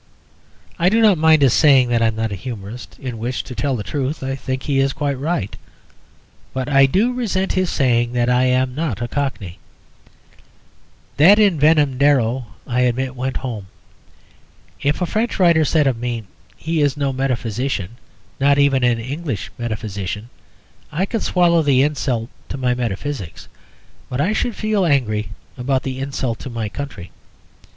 I do not mind his saying that I am not a humourist in which (to tell the truth) I think he is quite right. But I do resent his saying that I am not a Cockney. That envenomed arrow, I admit, went home. If a French writer said of me, "He is no metaphysician: not even an English metaphysician," I could swallow the insult to my metaphysics, but I should feel angry about the insult to my country.